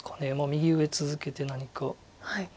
右上続けて何か打つか。